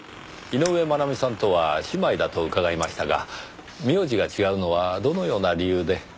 井上真奈美さんとは姉妹だと伺いましたが名字が違うのはどのような理由で？